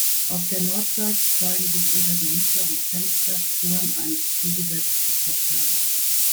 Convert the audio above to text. Auf der Nordseite zeigen sich unter dem mittleren Fenster Spuren eines zugesetzten Portals.